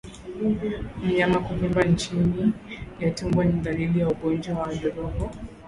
Mnyama kuvimba chini ya tumbo ni dalili ya ugonjwa wa ndorobo